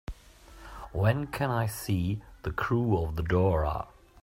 When can I see The Crew of the Dora